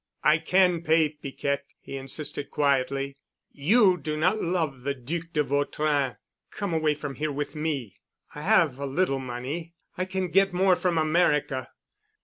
"I can pay, Piquette," he insisted quietly. "You do not love the Duc de Vautrin. Come away from here with me. I have a little money. I can get more from America.